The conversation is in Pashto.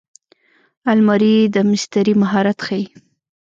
الماري د مستري مهارت ښيي